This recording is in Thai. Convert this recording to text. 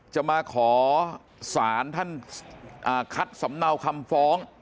จะมาขอสารท่านคัดสำเนาคำฟ้อง